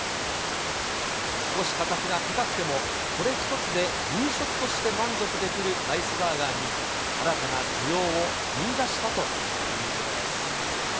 少し価格が高くても、これ１つで夕食として満足できるライスバーガーに、新たな需要を見いだしたということです。